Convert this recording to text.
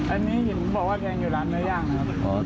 อันนี้เห็นบอกว่าแทงอยู่ร้านเนื้อย่างนะครับ